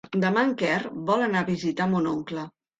Demà en Quer vol anar a visitar mon oncle.